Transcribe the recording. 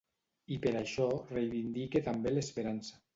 I per això reivindique també l’esperança.